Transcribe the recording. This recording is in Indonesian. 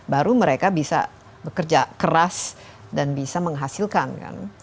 baru mereka bisa bekerja keras dan bisa menghasilkan kan